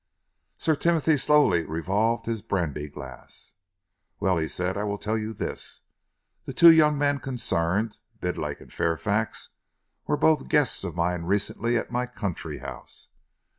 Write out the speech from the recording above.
Sir Timothy slowly revolved his brandy glass. "Well," he said, "I will tell you this. The two young men concerned, Bidlake and Fairfax, were both guests of mine recently at my country house.